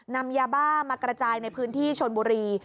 นำยาบ้ามากระจายในพื้นที่ชนบุรี